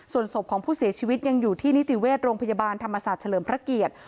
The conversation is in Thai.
ส่วนศพของผู้เสียชีวิตยังอยู่ที่นิติเวชโรงพยาบาลธรรมศาสตร์เฉลิมพระเกียรติ